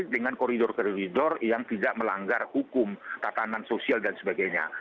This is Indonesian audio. dengan koridor koridor yang tidak melanggar hukum tatanan sosial dan sebagainya